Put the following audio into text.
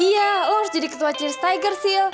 iya lo harus jadi ketua cheers tiger sil